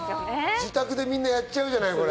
自宅でみんなやっちゃうじゃない、これ。